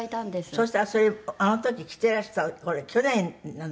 そうしたらそれあの時着てらしたこれ去年なのよ。